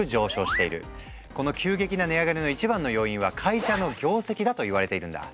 この急激な値上がりの一番の要因は会社の業績だといわれているんだ。